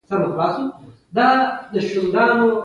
سهار خواته قضای حاجت ډېر سخت په تکلیف کړم.